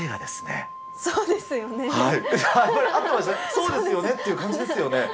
そうですよねって感じですよね。